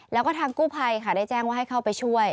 แล้วก็ทางกู้ภัยค่ะได้แจ้งว่าให้เข้าไปช่วย